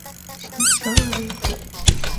The simplest suggestion was that York acted rashly.